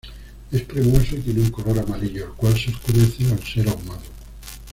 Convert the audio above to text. Es cremoso y tiene un color amarillo el cual se oscurece al ser ahumado.